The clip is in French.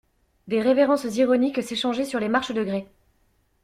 Des révérences ironiques s'échangeaient sur les marches de grès.